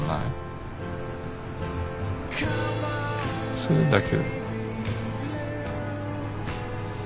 それだけ。